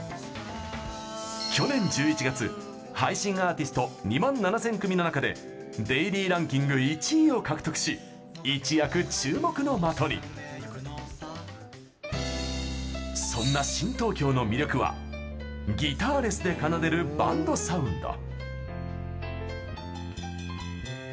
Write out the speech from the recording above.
去年１１月、配信アーティスト２万７０００組の中でデイリーランキング１位を獲得し一躍、注目の的に。そんな新東京の魅力はギターレスで奏でるバンドサウンド。